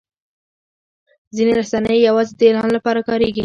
ځینې رسنۍ یوازې د اعلان لپاره کارېږي.